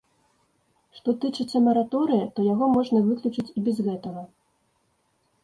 Што тычыцца мараторыя, то яго можна выключыць і без гэтага.